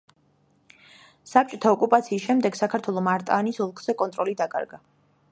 საბჭოთა ოკუპაციის შემდეგ საქართველომ არტაანის ოლქზე კონტროლი დაკარგა.